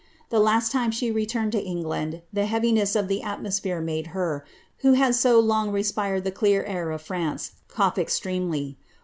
The last time she returned to igland, the heaviness of the atmosphere made her, who had so long ipired the clear air of France, cough extremely.